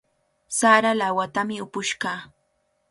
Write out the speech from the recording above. Sara lawatami upush kaa.